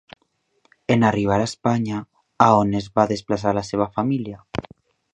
En arribar a Espanya, a on es va desplaçar la seva família?